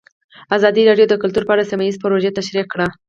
ازادي راډیو د کلتور په اړه سیمه ییزې پروژې تشریح کړې.